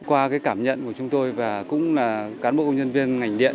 qua cái cảm nhận của chúng tôi và cũng là cán bộ công nhân viên ngành điện